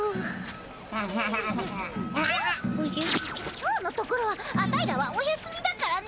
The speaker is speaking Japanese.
今日のところはアタイらはお休みだからね。